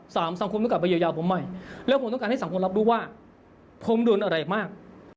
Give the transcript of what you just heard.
๓สังคมนึกษาไปแย้วใหม่และผมต้องการให้สังคมรับรู้ว่าผมเดินอาจมาก